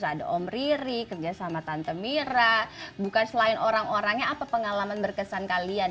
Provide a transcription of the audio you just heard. ada om riri kerja sama tante mira bukan selain orang orangnya apa pengalaman berkesan kalian